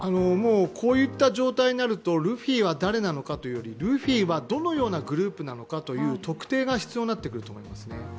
こういった状態になるとルフィは誰なのかというより、ルフィはどのようなグループなのかという特定が必要になってくると思うんですね。